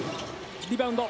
リバウンド。